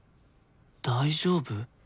大丈夫？